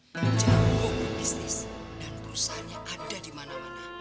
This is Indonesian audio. menjaga uang bisnis dan perusahaannya ada dimana mana